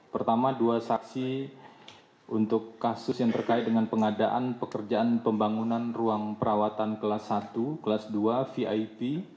pertama dua saksi untuk kasus yang terkait dengan pengadaan pekerjaan pembangunan ruang perawatan kelas satu kelas dua vip